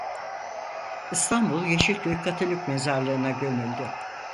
İstanbul Yeşilköy Katolik mezarlığına gömüldü.